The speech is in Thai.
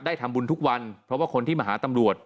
ทำบุญทุกวันเพราะว่าคนที่มาหาตำรวจ